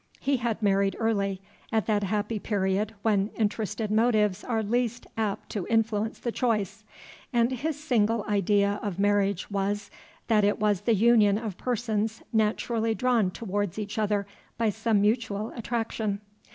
He had married early, at that happy period when interested motives are least apt to influence the choice; and his single idea of marriage was, that it was the union of persons naturally drawn towards each other by some mutual attraction.